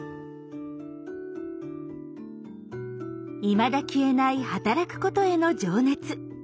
いまだ消えない働くことへの情熱。